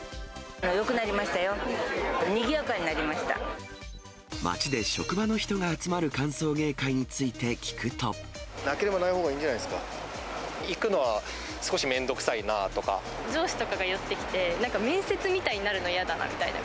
よくなりましたよ、にぎやか街で職場の人が集まる歓送迎なければないほうがいいんじ行くのは少し面倒くさいなと上司とかが寄ってきて、なんか面接みたいになるの嫌だなみたいな。